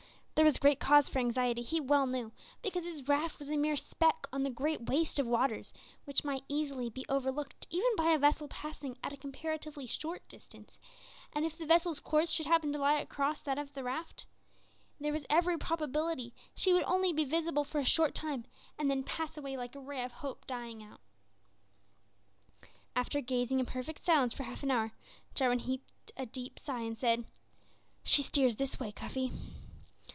There was great cause for anxiety he well knew, because his raft was a mere speck on the great waste of waters which might easily be overlooked even by a vessel passing at a comparatively short distance, and if the vessel's course should happen to lie across that of the raft, there was every probability she would only be visible for a short time and then pass away like a ray of hope dying out. After gazing in perfect silence for half an hour, Jarwin heaved a deep sigh and said "She steers this way, Cuffy."